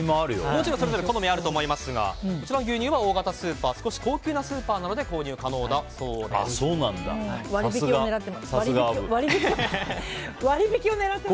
もちろん、それぞれ好みがあると思いますがこちらの牛乳は大型スーパー少し高級なスーパーで割引を狙って。